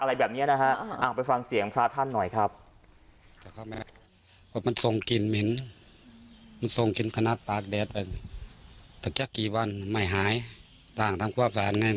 อะไรแบบนี้นะฮะไปฟังเสียงพระท่านหน่อยครับ